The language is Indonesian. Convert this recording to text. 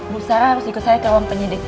bu sarah harus ikut saya ke ruang penyidik